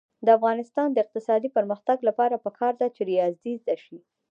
د افغانستان د اقتصادي پرمختګ لپاره پکار ده چې ریاضي زده شي.